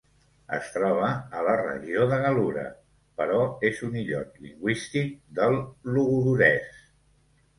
Es troba a la regió de Gal·lura, però és un illot lingüístic del logudorès.